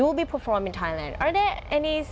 มีอะไรสำคัญสำหรับเราไทย